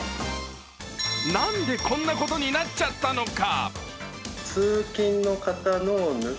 なんでこんなことになっちゃったのか？